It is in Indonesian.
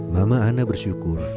mama ana bersyukur